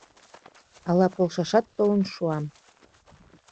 Ала полшашат толын шуам...